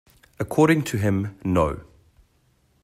According to him, no.